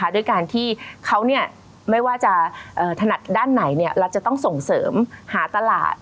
ด้วยการที่เขาไม่ว่าจะถนัดด้านไหนเราจะต้องส่งเสริมหาตลาด